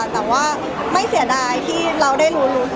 แต่ว่าไม่เสียดายที่เราได้รู้